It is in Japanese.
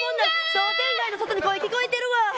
商店街の方に声聞かれてるわ。